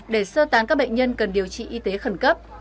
để sơ tán các bệnh nhân cần điều trị y tế khẩn cấp